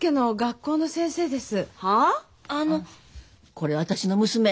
これ私の娘。